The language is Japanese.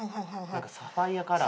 なんかサファイアカラー。